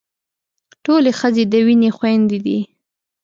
ټولې ښځې د وينې خويندې دي.